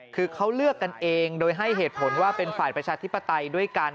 คือเขาเลือกกันเองโดยให้เหตุผลว่าเป็นฝ่ายประชาธิปไตยด้วยกัน